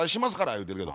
言うてるけど。